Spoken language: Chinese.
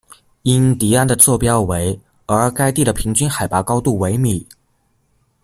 因迪安的座标为，而该地的平均海拔高度为米。